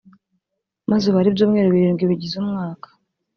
maze ubare ibyumweru birindwi bigize umwaka.